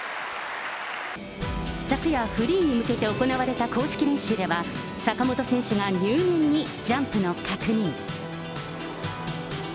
昨夜、フリーへ向けて行われた公式練習では、坂本選手が入念にジャンプの確認。